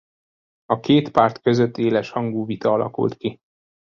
A két párt között éles hangú vita alakult ki.